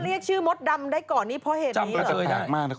ลอร์ได้ก่อนนี้เพราะเหตุนี้หรอ